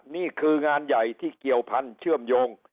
นี่คืองานใหญ่ที่เกี่ยวพันธุ์เชื่อมโยง